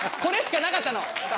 これしかなかったの。